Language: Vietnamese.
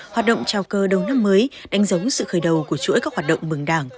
hoạt động chào cơ đầu năm mới đánh dấu sự khởi đầu của chuỗi các hoạt động mừng đảng